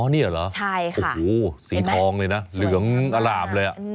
อ๋อนี่เหรอสีทองเลยนะเหลืองอร่ามเลยอ่ะเห็นไหม